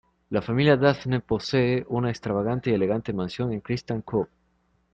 La familia de Daphne posee una extravagante y elegante Mansión en Crystal Cove.